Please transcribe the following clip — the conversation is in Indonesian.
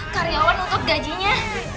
karyawan untuk gajinya